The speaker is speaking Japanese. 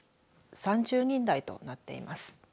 ３０人台となっています。